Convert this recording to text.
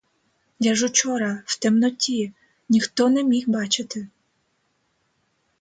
Я ж учора в темноті, ніхто не міг бачити.